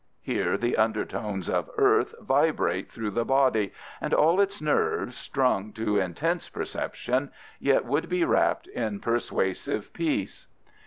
Here the undertones of earth vibrate through the body, and all its nerves, strung to intense perception, yet would be wrapped in persuasive peace.